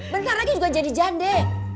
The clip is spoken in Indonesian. bentar lagi juga jadi jande